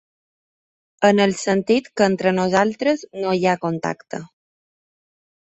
En el sentit que entre nosaltres no hi ha contacte.